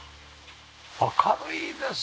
明るいですね！